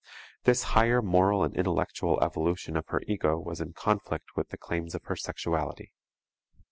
This higher moral and intellectual evolution of her ego was in conflict with the claims of her sexuality.